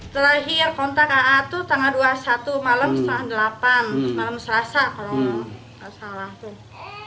terakhir kontak aa itu tanggal dua puluh satu malam setengah delapan malam selasa kalau nggak salah tuh